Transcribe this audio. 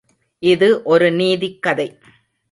இது ஒரு நீதிக் கதை.